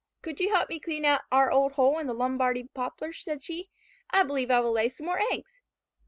"Could you help me clean out our old hole in the Lombardy poplar?" said she. "I believe I will lay some more eggs."